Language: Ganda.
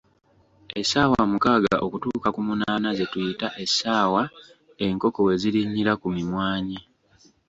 Essaawa mukaaga okutuuka ku munaana ze tuyita essaawa enkoko we zirinnyira ku mimwanyi.